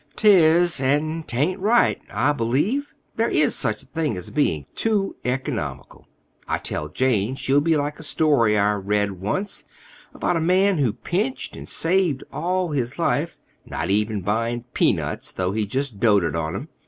"'Tis; and 'tain't right, I believe. There is such a thing as being too economical. I tell Jane she'll be like a story I read once about a man who pinched and saved all his life, not even buying peanuts, though he just doted on 'em.